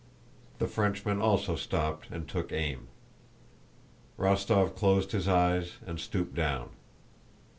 The Frenchman also stopped and took aim. Rostóv closed his eyes and stooped down.